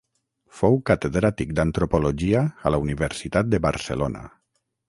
Fou catedràtic d'antropologia a la Universitat de Barcelona.